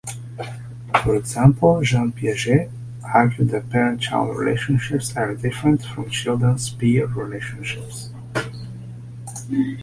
For example, Jean Piaget argued that parent-child relationships are different from children's peer relationships.